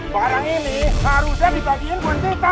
barang ini harusnya dibagiin pun kita